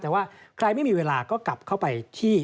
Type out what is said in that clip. แต่ว่าใครไม่มีเวลาก็กลับเข้าไปที่